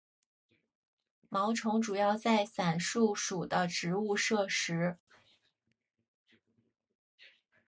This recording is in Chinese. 毛虫主要在伞树属的植物摄食。